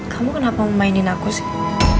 kamu kenapa memainin aku sih